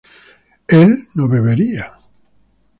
¿él no bebería?